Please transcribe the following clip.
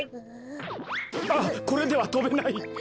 あっこれではとべない。